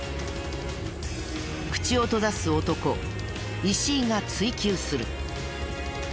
口を閉ざす男を石井が追及する。